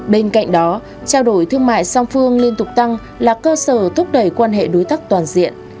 bên cạnh đó trao đổi thương mại song phương liên tục tăng là cơ sở thúc đẩy quan hệ đối tác toàn diện